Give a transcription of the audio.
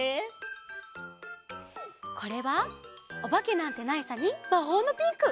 これは「おばけなんてないさ」に「魔法のピンク」。